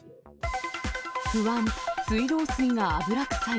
不安、水道水が油臭い。